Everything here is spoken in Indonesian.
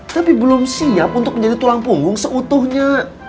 tapi belum siap untuk menjadi tulang punggung seutuhnya